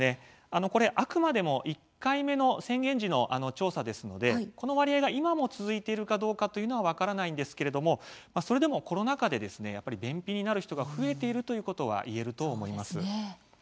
これはあくまでも１回目の宣言時の調査ですのでこの割合が今も続いているかどうかというのは分からないですけれども今、コロナ禍で便秘になる人が増えているということは言えると思います。